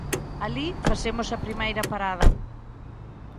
Alí facemos a primeira parada.